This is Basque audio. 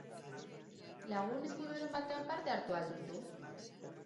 Lagun ezkuturen batean parte hartu al duzu?